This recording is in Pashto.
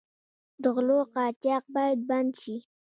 د غلو قاچاق باید بند شي.